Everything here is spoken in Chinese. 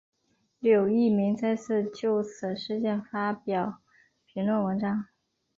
刘逸明再次就此事件发表评论文章。